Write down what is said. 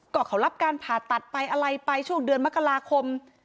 ก็เขารับการผ่าตัดไปอะไรไปช่วงเดือนมกราคม